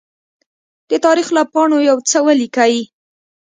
د تاریخ له پاڼو يوڅه ولیکئ!